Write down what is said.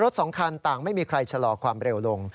สองคันต่างไม่มีใครชะลอความเร็วลง